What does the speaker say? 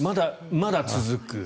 まだ続く？